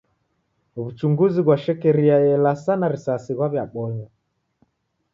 W'uchunguzi ghwa shekeria elasana risasi ghwaw'iabonywa.